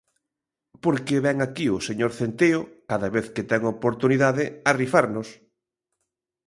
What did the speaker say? Porque vén aquí o señor Centeo, cada vez que ten oportunidade, a rifarnos.